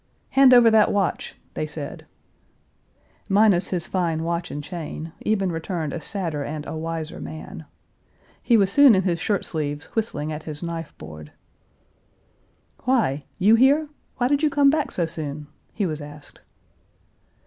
"Hand over that watch!" they said. Minus his fine watch and chain, Eben returned a sadder and a wiser man. He was soon in his shirt sleeves, whistling at his knife board. "Why? You here? Why did you come back so soon?" he was asked.